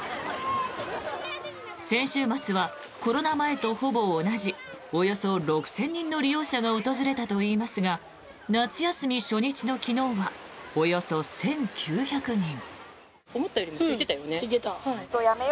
先週末はコロナ前とほぼ同じおよそ６０００人の利用者が訪れたといいますが夏休み初日の昨日はおよそ１９００人。